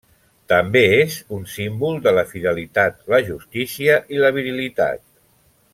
També és un símbol de la fidelitat, la justícia i la virilitat.